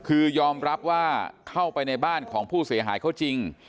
คือยอมรับว่าเข้าไปในบ้านของผู้เสียหายเขาจริง